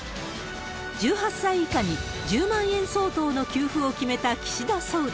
１８歳以下に１０万円相当の給付を決めた岸田総理。